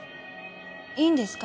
いいんですか？